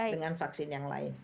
dengan vaksin yang lain